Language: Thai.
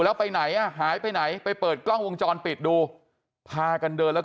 แล้วไปไหนอ่ะหายไปไหนไปเปิดกล้องวงจรปิดดูพากันเดินแล้ว